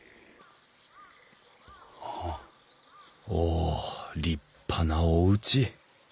お立派なおうち。